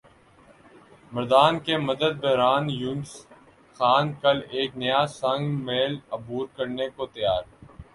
مردان کےمرد بحران یونس خان کل ایک نیا سنگ میل عبور کرنے کو تیار